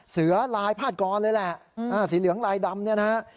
เสือลายพาดกรเลยแหละสีเหลืองลายดำเนี่ยนะฮะ